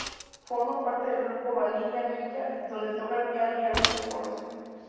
Forma parte del grupo Vanilla Ninja donde toca el piano y hace los coros.